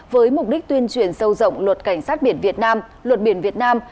với mục đích tuyên truyền sâu rộng luật cảnh sát biển việt nam luật biển việt nam